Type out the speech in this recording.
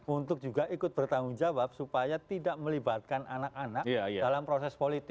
untuk juga ikut bertanggung jawab supaya tidak melibatkan anak anak dalam proses politik